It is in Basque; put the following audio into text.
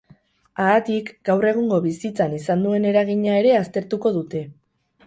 Haatik, gaur egungo bizitzan izan duen eragina ere aztertuko dute.